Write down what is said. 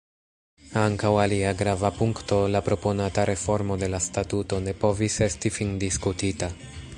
Ankaŭ alia grava punkto, la proponata reformo de la statuto, ne povis esti findiskutita.